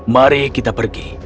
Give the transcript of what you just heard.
mari kita pergi